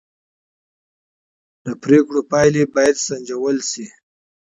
د پرېکړو پایلې باید سنجول شي